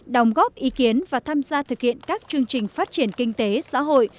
đồng góp ý kiến và tham gia thực hiện các chương trình phát triển kinh tế xã hội